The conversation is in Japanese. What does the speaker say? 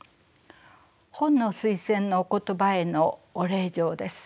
本の推薦のお言葉へのお礼状です。